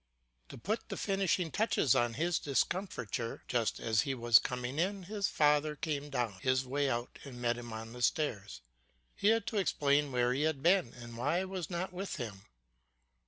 To put the finishing touch to his discomfiture, just as he was coming in his father came down on his way out and met him on the stairs. He had to explain where he had been, and why I was not with him.